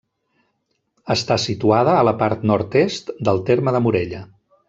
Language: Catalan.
Està situada a la part nord-est del terme de Morella.